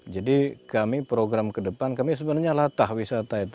jadi kami program kedepan kami sebenarnya latah wisata itu